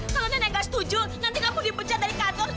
kalau nenek gak setuju nanti kamu dipecat dari kantor